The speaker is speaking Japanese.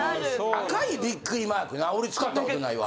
赤いビックリマークな俺使ったことないわ。